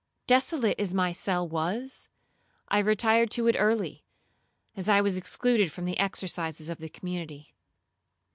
Desolate as my cell was, I retired to it early, as I was excluded from the exercises of the community.